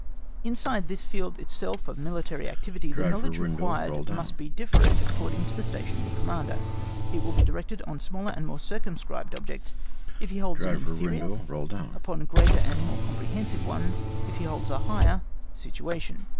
Inside this field itself of military activity, the knowledge required must be different according to the station of the Commander. It will be directed on smaller and more circumscribed objects if he holds an inferior, upon greater and more comprehensive ones if he holds a higher situation.